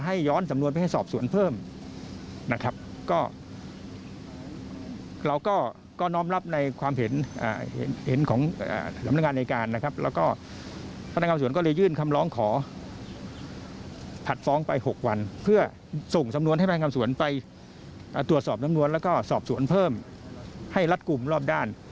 ให้รัดกลุ่มรอบด้าน